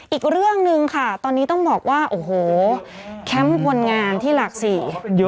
อีกเรื่องหนึ่งค่ะตอนนี้ต้องบอกว่าโอ้โหแคมป์คนงานที่หลักสี่